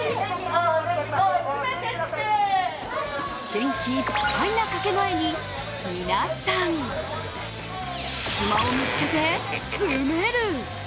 元気いっぱいなかけ声に皆さん隙間を見つけて詰める。